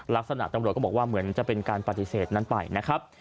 ลักษณะตำรวจก็บอกว่าเหมือนจะเป็นการปฏิเสธนั้นไปนะครับ